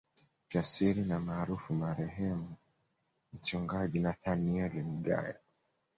Jasiri na maarufu Marehemu Mchungaji Nathanaeli Mgaya